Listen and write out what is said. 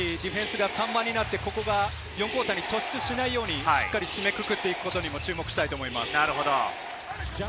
傲慢になりディフェンスが散漫になって、４クオーターに突出しないように締めくくっていくことにも注目したいと思います。